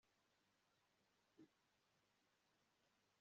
bafite munsi y'imyaka icumi bari mu gace ukoreramo